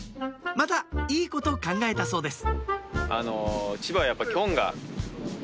またいいこと考えたそうです